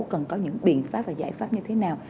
cần có những biện pháp và giải pháp như thế nào